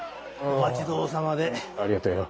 お待ち遠さまで。ありがとよ。